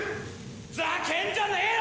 ざけんじゃねえよ！